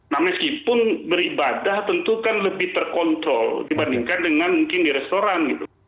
nah meskipun beribadah tentu kan lebih terkontrol dibandingkan dengan mungkin di restoran gitu